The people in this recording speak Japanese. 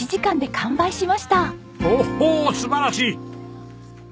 おお！素晴らしい！